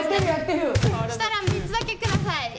そうしたら、３つだけください。